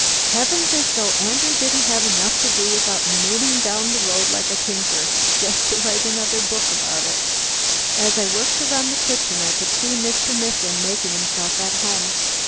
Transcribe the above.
Heavens! as though Andrew didn't have enough to do without mooning down the road like a tinker, just to write a book about it.) As I worked around the kitchen I could see Mr. Mifflin making himself at home.